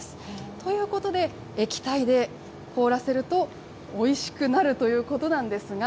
ということで、液体で凍らせるとおいしくなるということなんですが。